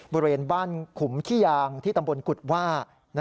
บริเวณบ้านขุมขี้ยางที่ตำบลกุฎว่า